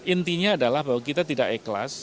intinya adalah bahwa kita tidak ikhlas